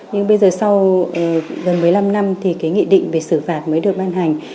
nhưng bây giờ sau gần một mươi năm năm thì cái nghị định về xử phạt mới được ban hành